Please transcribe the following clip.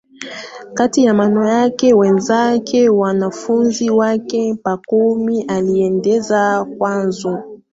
kati ya wamonaki wenzake Mwanafunzi wake Pakomi aliendeleza mkazo